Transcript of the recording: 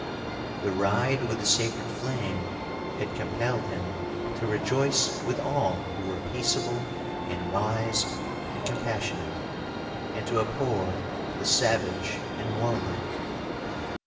The ride with the sacred flame had compelled him to rejoice with all who were peaceable and wise and compassionate, and to abhor the savage and warlike.